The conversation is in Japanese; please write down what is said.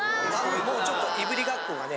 ・もうちょっといぶりがっこがね。